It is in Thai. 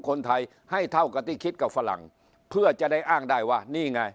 คนไทยให้เท่ากับที่คิดกับฝรั่งเพื่อจะได้อ้างได้ว่านี่ไง